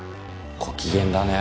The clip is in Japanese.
ご機嫌だね